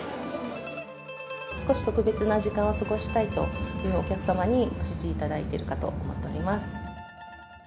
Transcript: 少し特別な時間を過ごしたいというお客様にご支持いただいているかと思っております。